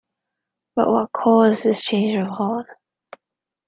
But what caused this change of heart?